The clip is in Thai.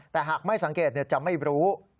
แต่หากไม่สังเกตจะไม่รู้